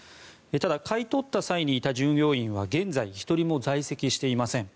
ただ買い取った際にいた従業員は現在１人も在籍していません。